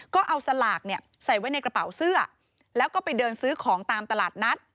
ก็เอาสลากเนี่ยใส่ไว้ในกระเป๋าเสื้อแล้วก็ไปเดินซื้อของตามตลาดนัด